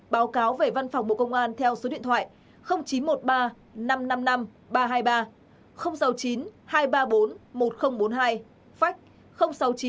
báo cáo về văn phòng bộ công an theo số điện thoại chín trăm một mươi ba năm trăm năm mươi năm ba trăm hai mươi ba sáu mươi chín hai trăm ba mươi bốn một nghìn bốn mươi hai phách sáu mươi chín hai trăm ba mươi bốn một nghìn bốn mươi bốn